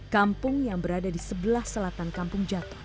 kampung yang berada di sebelah selatan kampung jaton